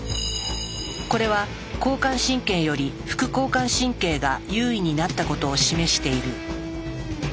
これは交感神経より副交感神経が優位になったことを示している。